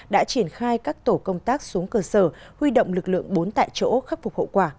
đã triển khai các tổ công tác xuống cơ sở huy động lực lượng bốn tại chỗ khắc phục hậu quả